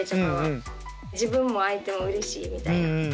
自分も相手もうれしいみたいな。